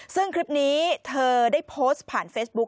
ซึ่งคลิปนี้เธอได้โพสต์ผ่านเฟซบุ๊ค